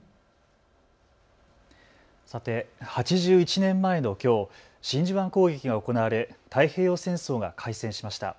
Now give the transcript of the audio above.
さて、８１年前のきょう真珠湾攻撃が行われ太平洋戦争が開戦しました。